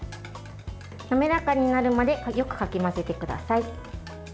滑らかになるまでよくかき混ぜてください。